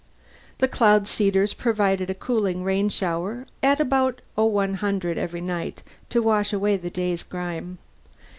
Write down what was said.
The cloud seeders provided a cooling rain shower at about 0100 every night to wash away the day's grime.